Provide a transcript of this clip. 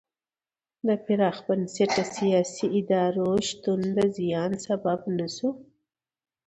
د پراخ بنسټه سیاسي ادارو شتون د زیان سبب نه شو.